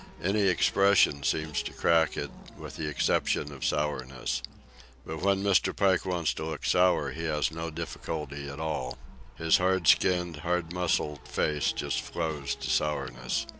Any expression seems to crack it—with the exception of sourness. But when Mr. Pike wants to look sour he has no difficulty at all. His hard skinned, hard muscled face just flows to sourness.